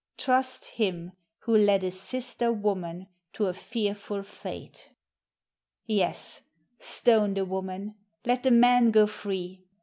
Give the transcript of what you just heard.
Trust him who led A sister woman to a fearful fate. Yes, stone the woman, let the man go free!